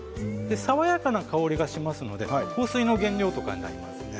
爽やかな香りがしますので香水の原料とかになりますね。